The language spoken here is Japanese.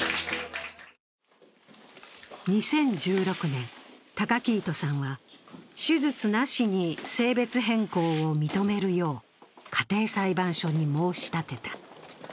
２０１６年、崇来人さんは手術なしに性別変更を認めるよう家庭裁判所に申し立てた。